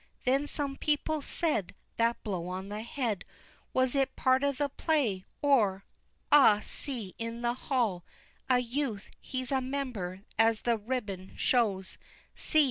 Then some people said "That blow on the head Was it part of the play? or" ah, see, in the hall A youth he's a member, as that ribbon shows See!